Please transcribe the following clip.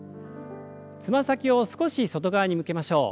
つま先を少し外側に向けましょう。